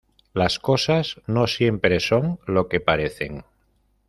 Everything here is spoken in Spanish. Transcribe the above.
las cosas no siempre son lo que parecen.